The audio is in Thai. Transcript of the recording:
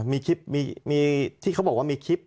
มีคลิปมีที่เขาบอกว่ามีคลิป